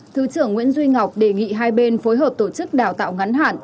thứ trưởng nguyễn duy ngọc đề nghị hai bên phối hợp tổ chức đào tạo ngắn hạn